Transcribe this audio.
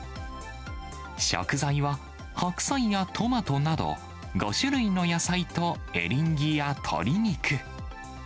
食材は、白菜やトマトなど、５種類の野菜とエリンギや鶏肉。